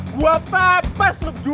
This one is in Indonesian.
gua papas lu berdua